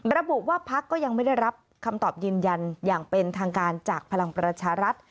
ระบุว่าพักก็ยังไม่ได้รับคำตอบยืนยันอย่างเป็นทางการจากพลังประชารัฐ